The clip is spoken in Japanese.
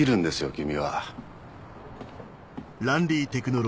君は。